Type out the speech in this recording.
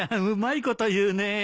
うまいこと言うね。